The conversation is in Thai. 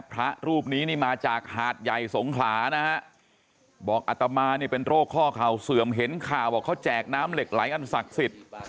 พระรูปนี้นี่มาจากหาดใหญ่สงขลานะฮะบอกอัตมานี่เป็นโรคข้อเข่าเสื่อมเห็นข่าวบอกเขาแจกน้ำเหล็กไหลอันศักดิ์สิทธิ์